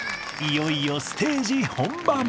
いよいよステージ本番。